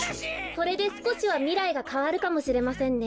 これですこしはみらいがかわるかもしれませんね。